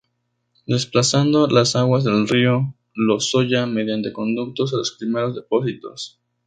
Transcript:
Desplazando las aguas del río Lozoya mediante conductos a los primeros depósitos.